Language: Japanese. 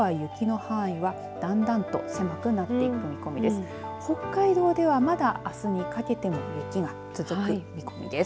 北海道では、まだあすにかけても雪が続く見込みです。